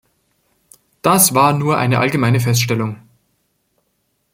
Das war nur eine allgemeine Feststellung.